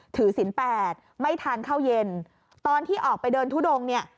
ถือศิลป์ไม่ทานข้าวเย็นตอนที่ออกไปเดินทุดงเนี่ย